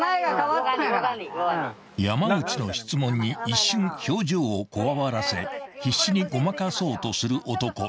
［山内の質問に一瞬表情をこわばらせ必死にごまかそうとする男］